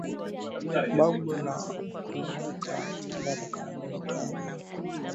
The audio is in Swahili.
bagbo na kumweka madarakani watara anayetambuliwa na jumuiya ya kimataifa kuwa ndiye rais